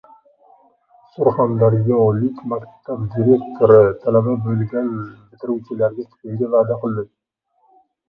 Surxondaryolik maktab direktori talaba bo‘lgan bitiruvchilariga stipendiya va’da qildi